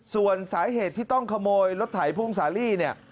ส่วนสาเหตุที่ต้องขโมยรถไถพ่วงสาลีเนี่ย